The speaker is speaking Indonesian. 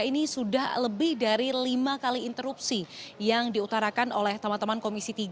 ini sudah lebih dari lima kali interupsi yang diutarakan oleh teman teman komisi tiga